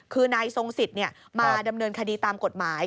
คือนายทรงสิทธิ์มาดำเนินคดีตามกฎหมาย